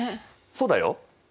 そうだよ。